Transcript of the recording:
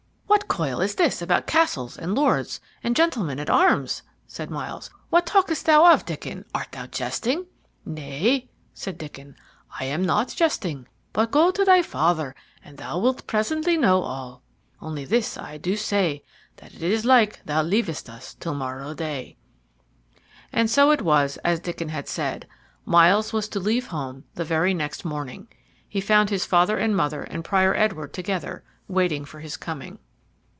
"What coil is this about castles and lords and gentlemen at arms?" said Myles. "What talkest thou of, Diccon? Art thou jesting?" "Nay," said Diccon, "I am not jesting. But go to thy father, and then thou wilt presently know all. Only this I do say, that it is like thou leavest us to morrow day." And so it was as Diccon had said; Myles was to leave home the very next morning. He found his father and mother and Prior Edward together, waiting for his coming.